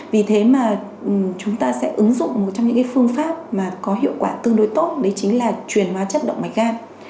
vì thế mà chúng ta sẽ ứng dụng một trong những phương pháp mà có hiệu quả tương đối tốt đấy chính là truyền hóa chất động mạch gan